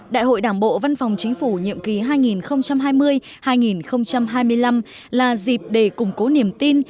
đại hội đảng bộ văn phòng chính phủ nhiệm kỳ hai nghìn hai mươi hai nghìn hai mươi năm là dịp để củng cố niềm tin